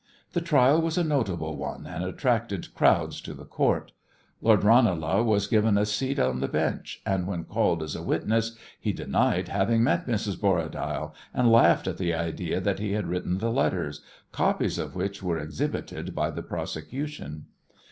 The trial was a notable one, and attracted crowds to the court. Lord Ranelagh was given a seat on the bench, and when called as a witness he denied having met Mrs. Borradaile, and laughed at the idea that he had written the letters, copies of which were exhibited by the prosecution.